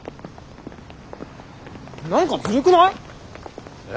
何かずるくない？え？